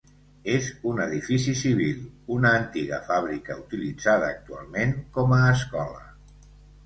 És un edifici civil, una antiga fàbrica utilitzada actualment com a escola.